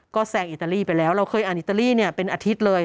ก็แซงอิตาลีไปแล้วเราเคยอ่านอิตาลีเนี่ยเป็นอาทิตย์เลย